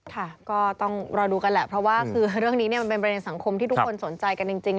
ค่ะก็ต้องรอดูกันแหละเพราะว่าคือเรื่องนี้มันเป็นประเด็นสังคมที่ทุกคนสนใจกันจริง